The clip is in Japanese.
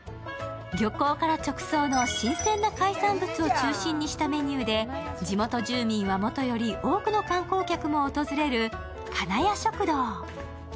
漁港から直送の新鮮な海産物を中心にしたメニューで地元住民はもとより多くの観光客も訪れる金谷食堂。